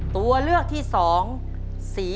ตัวเลือกที่สองสีบริยา